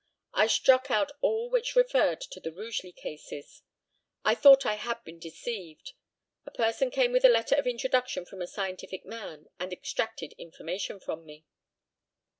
I struck out all which referred to the Rugeley cases. I thought I had been deceived. A person came with a letter of introduction from a scientific man and extracted information from me.